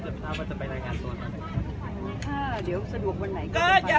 ในเวลาจะไปรายงานตัวหน้านะฮะถ้าเดี๋ยวสะดวกวันไหนก็จะ